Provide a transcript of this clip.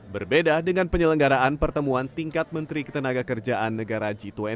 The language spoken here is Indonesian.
berbeda dengan penyelenggaraan pertemuan tingkat menteri ketenaga kerjaan negara g dua puluh